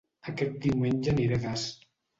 Aquest diumenge aniré a Das